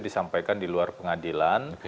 disampaikan di luar pengadilan